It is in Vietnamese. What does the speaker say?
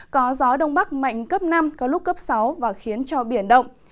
có gió đông bắc mạnh cấp năm có lúc cấp sáu và khiến cho biển động